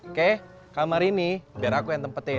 oke kamar ini biar aku yang tempetin